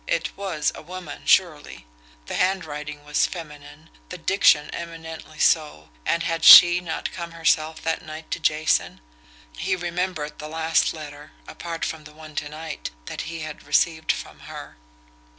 It WAS a woman, surely the hand writing was feminine, the diction eminently so and had SHE not come herself that night to Jason! He remembered the last letter, apart from the one to night, that he had received from her.